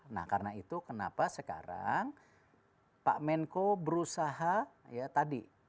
nah karena itu kenapa sekarang pak menko berusaha ya tadi